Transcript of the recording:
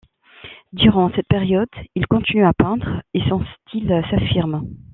Durant cette période il continue à peindre et son style s'affirme.